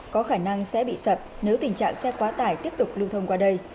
có khả năng sẽ bị sập nếu tình trạng xe quá tải tiếp tục lưu thông qua đây